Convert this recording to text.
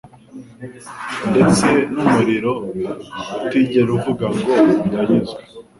ndetse n’umuriro utigera uvuga ngo «Ndanyuzwe»